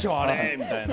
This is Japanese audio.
みたいな。